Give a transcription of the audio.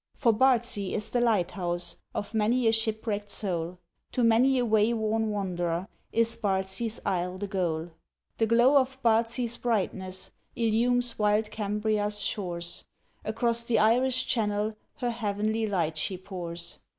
For Bardsey is the lighthouse Of many a shipwrecked soul; To many a way worn wanderer Is Bardsey's Isle the goal. The glow of Bardsey's brightness, Illumes wild Cambria's shores, Across the Irish Channel, Her Heavenly light she pours.